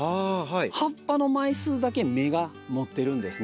葉っぱの枚数だけ芽が持ってるんですね。